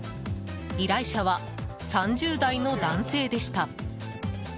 依頼者は、３０代の男性でした。